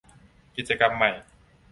กิจกรรมใหม่